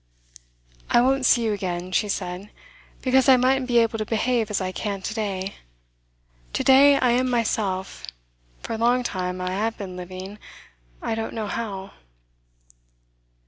'I won't see you again,' she said, 'because I mightn't be able to behave as I can to day. To day I am myself; for a long time I have been living I don't know how.